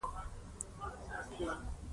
هغه څراغ وموښلو او پیری را ښکاره شو.